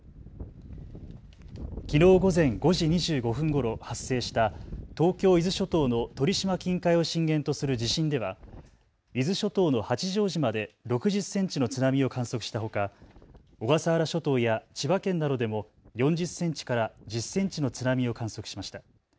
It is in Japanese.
きのう午前５時２５分ごろ発生した東京伊豆諸島の鳥島近海を震源とする地震では伊豆諸島の八丈島で６０センチの津波を観測したほか小笠原諸島や千葉県などでも４０センチから１０センチの津波を観測しました。